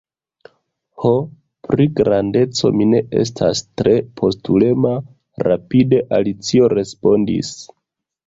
"Ho, pri grandeco, mi ne estas tre postulema," rapide Alicio respondis. "